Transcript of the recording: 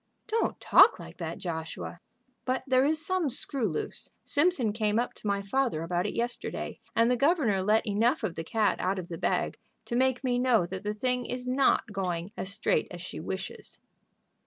"Don't talk like that, Joshua." "But there is some screw loose. Simpson came up to my father about it yesterday, and the governor let enough of the cat out of the bag to make me know that the thing is not going as straight as she wishes."